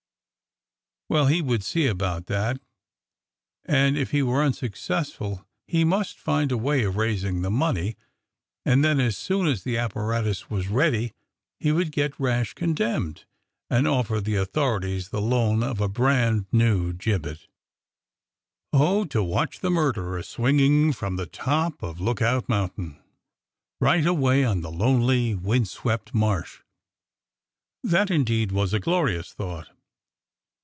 Well, he would see about that, and if he were unsuccessful, he must find a way of raising the money, and then, as soon as the apparatus was ready, he would get Rash condemned, and offer the authorities the loan of a brand new gibbet. Oh, to watch the murderer swinging from the top of Lookout Mountain, right away on the lonely, windswept Marsh! That, indeed, was a glorious thought.